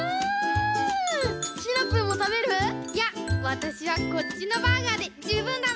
いやわたしはこっちのバーガーでじゅうぶんだな。